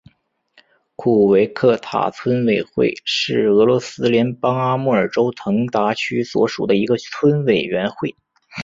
库维克塔村委员会是俄罗斯联邦阿穆尔州腾达区所属的一个村委员会。